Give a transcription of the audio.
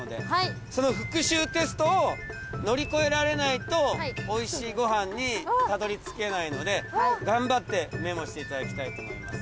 その復習テストを乗り越えられないとおいしいご飯にたどりつけないので頑張ってメモしていただきたいと思います。